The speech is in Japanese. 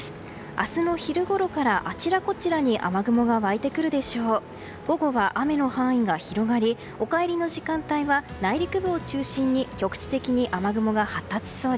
明日の昼ごろからあちらこちらに雨雲が湧いてくるでしょう。